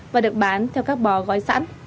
và được bán theo các bò gói sẵn